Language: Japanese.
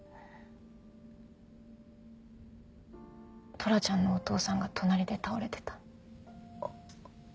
トラちゃんのお父さんが隣で倒れてた。